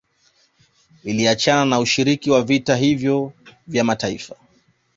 Iliachana na ushiriki wa vita hivyo vya mataifa